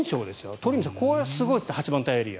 鳥海さん、これはすごいですね八幡平エリア。